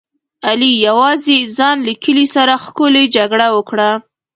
علي یوازې ځان له کلي سره ښکلې جګړه وکړه.